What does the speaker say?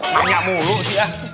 banyak mulu sih ya